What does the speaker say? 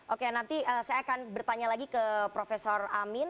oke nanti saya akan bertanya lagi ke prof amin